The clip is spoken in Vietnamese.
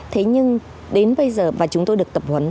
thế nhưng đến bây giờ mà chúng tôi được tập huấn